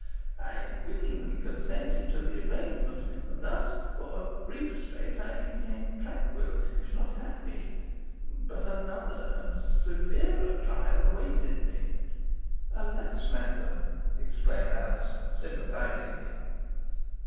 I willingly consented to the arrangement; and thus for a brief space I became tranquil, if not happy. But another and severer trial awaited me." "Alas, madam!" exclaimed Alizon, sympathisingly.